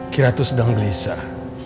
kira tuh sedang gelisah